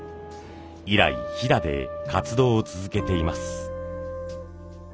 以来飛騨で活動を続けています。